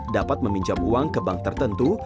dapat meminjam uang ke bank tertentu